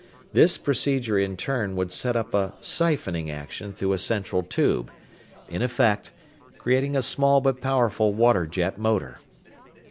This procedure, in turn, would set up a siphoning action through a central tube in effect, creating a small but powerful water jet motor.